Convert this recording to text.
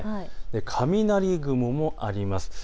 雷雲もあります。